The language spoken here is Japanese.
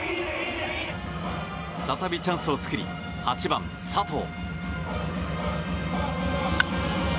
再びチャンスを作り８番、佐藤。